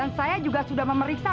rumah akan kami sita